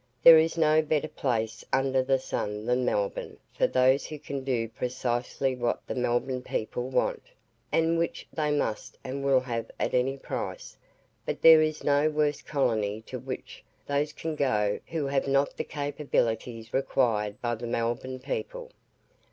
There is no better place under the sun than Melbourne for those who can do precisely what the Melbourne people want; and which they must and will have at any price; but there is no worse colony to which those can go who have not the capabilities required by the Melbourne people.